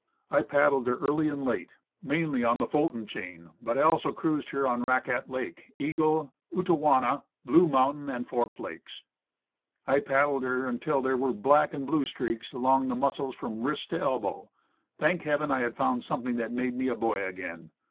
I paddled her early and late, mainly on the Fulton Chain; but I also cruised her on Raquette Lake, Eagle, Utowana, Blue Mountain, and Forked lakes. I paddled her until there were What She Can bo. 13* black and blue streaks along the muscles from wrist to elbow. Thank Heaven, I had found something that made me a boy again.